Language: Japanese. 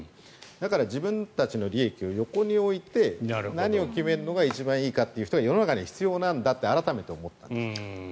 だから、自分たちの利益を横に置いて何を決めるのが一番いいのかと考える人が必要だと改めて思った。